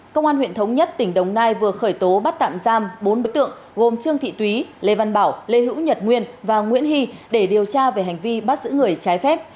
công an huyện thống nhất tỉnh đồng nai vừa khởi tố bắt tạm giam bốn đối tượng gồm trương thị thúy lê văn bảo lê hữu nhật nguyên và nguyễn hy để điều tra về hành vi bắt giữ người trái phép